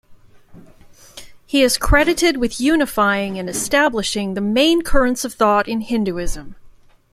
He is credited with unifying and establishing the main currents of thought in Hinduism.